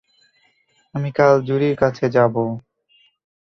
আমি কাল জুরির কাছে যাব।